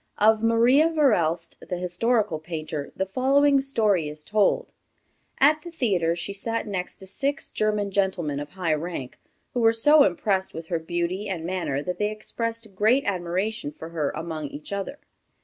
Of Maria Varelst, the historical painter, the following story is told: At the theatre she sat next to six German gentlemen of high rank, who were so impressed with her beauty and manner that they expressed great admiration for her among each other.